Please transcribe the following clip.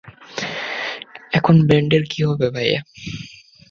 এখন ব্যান্ডের কী হবে ভাইয়া?